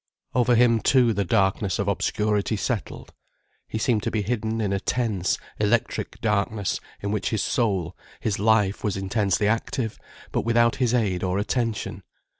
Over him too the darkness of obscurity settled. He seemed to be hidden in a tense, electric darkness, in which his soul, his life was intensely active, but without his aid or attention.